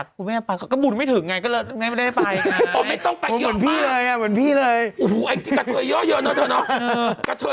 เขาไม่ได้ไปเนอะ